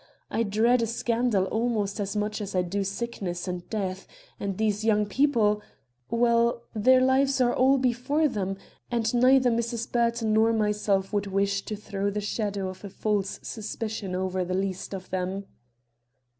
I dread a scandal almost as much as I do sickness and death, and these young people well, their lives are all before them, and neither Mrs. Burton nor myself would wish to throw the shadow of a false suspicion over the least of them."